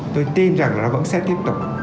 tôi tin rằng là nó vẫn sẽ tiếp tục